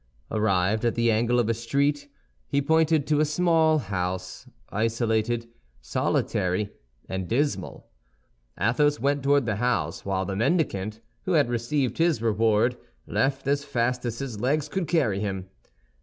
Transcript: Arrived at the angle of a street, he pointed to a small house, isolated, solitary, and dismal. Athos went toward the house, while the mendicant, who had received his reward, left as fast as his legs could carry him.